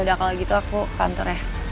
ya udah kalau gitu aku ke kantor ya